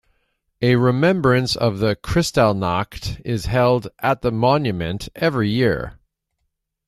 A remembrance of the Kristallnacht is held at the monument every year.